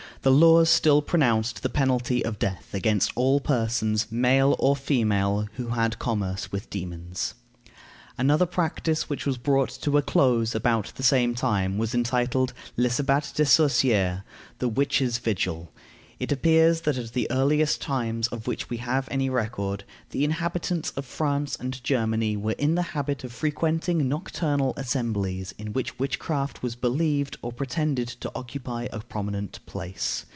The laws still pronounced the penalty of death against all persons, male or female, who had commerce with demons. Another practice which was brought to a close about the same time was entitled "Le sabat des sorciers," the witches' vigil. It appears that, at the earliest times of which we have any record, the inhabitants of France and Germany were in the habit of frequenting nocturnal assemblies in which witchcraft was believed or pretended to occupy a prominent place.